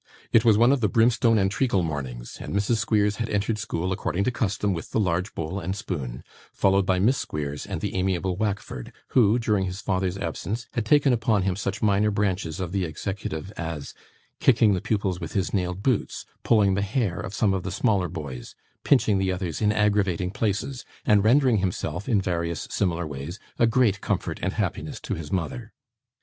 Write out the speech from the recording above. It was one of the brimstone and treacle mornings, and Mrs. Squeers had entered school according to custom with the large bowl and spoon, followed by Miss Squeers and the amiable Wackford: who, during his father's absence, had taken upon him such minor branches of the executive as kicking the pupils with his nailed boots, pulling the hair of some of the smaller boys, pinching the others in aggravating places, and rendering himself, in various similar ways, a great comfort and happiness to his mother.